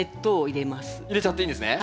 入れちゃっていいんですね？